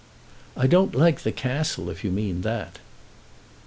"I don't like the Castle, if you mean that."